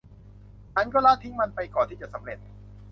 ฉันก็ละทิ้งมันไปก่อนที่จะสำเร็จ